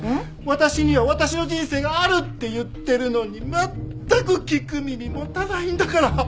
私には私の人生があるって言ってるのに全く聞く耳持たないんだから。